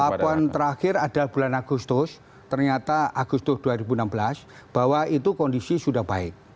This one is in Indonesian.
laporan terakhir ada bulan agustus ternyata agustus dua ribu enam belas bahwa itu kondisi sudah baik